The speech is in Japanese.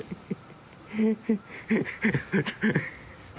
ハハハハ。